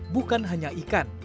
bukan hanya ikan